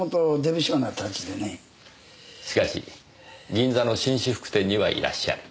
しかし銀座の紳士服店にはいらっしゃる。